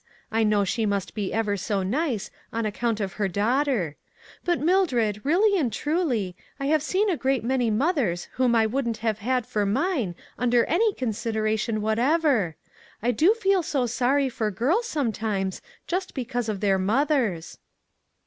I know she must be ever so nice, on account of her daughter. But Mildred, really and truly, I have seen STEP BY STEP. 47 a great many mothers whom I wouldn't have had for mine under any consideration whatever. I do feel so sorry for girls, sometimes, just because of theirs mothers."